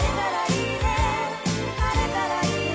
「晴れたらいいね」